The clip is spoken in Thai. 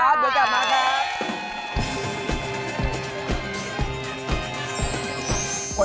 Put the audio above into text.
จะกลับมาคะ